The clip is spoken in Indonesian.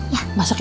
masak yang enak ya